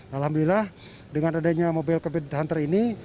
alhamdulillah dengan adanya mobile covid sembilan belas hunter ini